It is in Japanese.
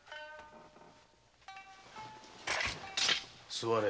座れ。